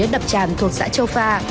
đàn thuộc xã châu pha